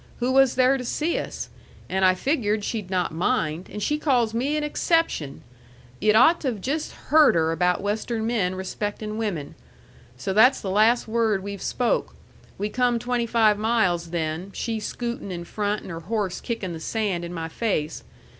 Who was there to see us? And I figured she'd not mind, and she calls me an exception! Yu'd ought to've just heard her about Western men respectin' women. So that's the last word we've spoke. We come twenty five miles then, she scootin' in front, and her horse kickin' the sand in my face.